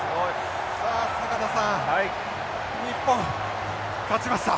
さあ坂田さん日本勝ちました！